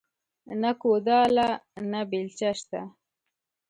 نه کوداله نه بيلچه شته